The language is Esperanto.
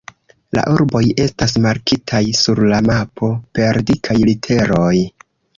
La urboj estas markitaj sur la mapo per dikaj literoj.